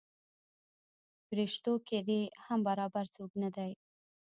پریشتو کې دې هم برابر څوک نه دی.